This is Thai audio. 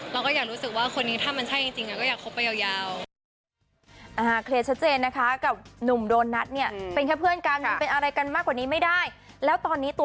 เราก็อยากรู้สึกว่าคนนี้ถ้ามันใช่จริงก็อยากคบไปยาว